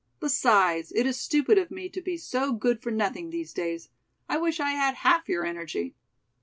"Besides, it is stupid of me to be so good for nothing these days. I wish I had half your energy."